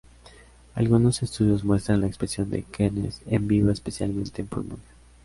Algunos estudios muestran la expresión de genes en vivo especialmente en pulmones.